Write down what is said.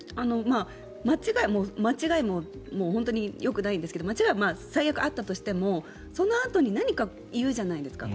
間違えも本当によくないんですけど間違えは最悪あったとしてもそのあとに何か言うじゃないですか。